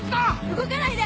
動かないで！